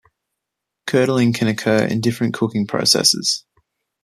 Curdling can occur in different cooking processes.